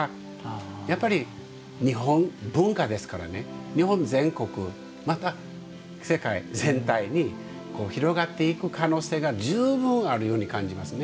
やっぱり日本文化ですからね日本全国また世界全体に広がっていく可能性が十分あるように感じますね。